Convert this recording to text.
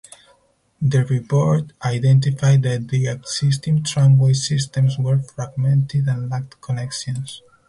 The Report identified that the existing tramway systems were fragmented and lacked connections.